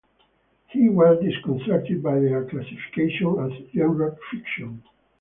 He was disconcerted by their classification as genre fiction.